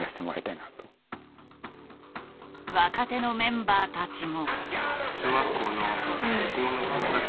若手のメンバーたちも。